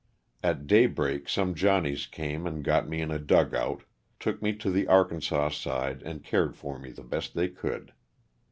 At daybreak some "Johnnies" came and got me in a dugout, took me to the Arkansas side and cared for me the best they could.